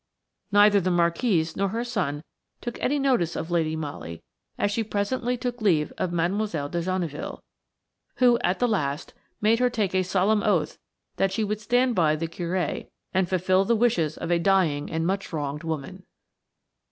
Neither the Marquise nor her son took any notice of Lady Molly as she presently took leave of Mademoiselle de Genneville, who, at the last, made her take a solemn oath that she would stand by the Curé and fulfil the wishes of a dying and much wronged woman.